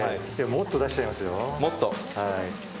もっと出しちゃいますよ。